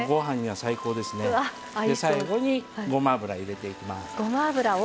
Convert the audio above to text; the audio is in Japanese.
最後にごま油を入れていきます。